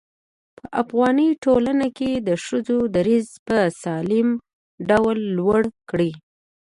په افغاني ټولنه کې د ښځو دريځ په سالم ډول لوړ کړي.